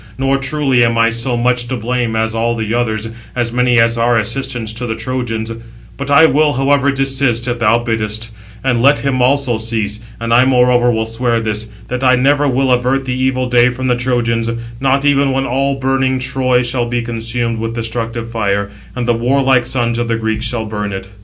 nor truly am I so much to blame as all the others, as many as are assistants to the Trojans, But I will, however, desist, if thou biddest it; and let him also cease; and I moreover will swear this, that I never will avert the evil day from the Trojans, not even when all burning Troy shall be consumed with destructive fire, and the warlike sons of the Greeks shall burn it."